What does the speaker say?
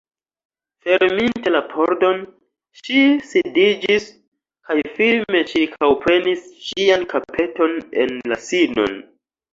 Ferminte la pordon, ŝi sidiĝis kaj firme ĉirkaŭprenis ŝian kapeton en la sinon.